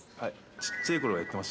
ちっちゃいころはやってまし